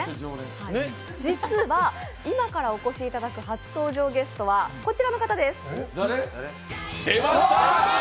実は今からお越しいただく初登場ゲストこちらの方です。